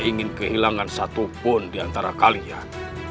ingin kehilangan satupun diantara kalian